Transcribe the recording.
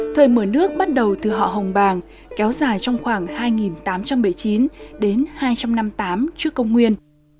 thời mở nước bắt đầu từ họ hồng bàng kéo dài trong khoảng hai tám trăm bảy mươi chín đến hai trăm năm mươi tám trước công nguyên